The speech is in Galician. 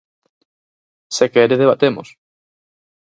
Se quere, debatemos.